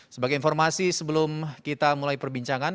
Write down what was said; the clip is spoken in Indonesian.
sebagai informasi sebelum kita mulai perbincangan